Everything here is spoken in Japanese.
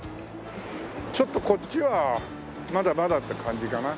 ちょっとこっちはまだまだって感じかな。